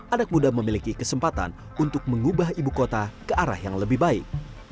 anak muda memiliki kesempatan untuk mengubah ibu kota ke arah yang lebih baik